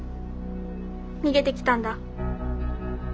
逃げてきたんだ。